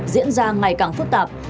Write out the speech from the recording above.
diễn ra ngày càng phức tạp